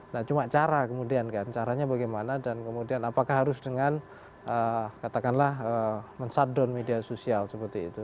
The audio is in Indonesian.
nah cuma cara kemudian kan caranya bagaimana dan kemudian apakah harus dengan katakanlah men shutdown media sosial seperti itu